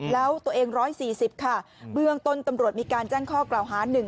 แล้วตัวเอง๑๔๐ค่ะเบื้องต้นตำรวจมีการแจ้งข้อกล่าวหา